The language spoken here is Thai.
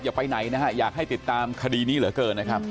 อย่าไปไหนนะฮะอยากให้ติดตามคดีนี้เหลือเกินนะครับ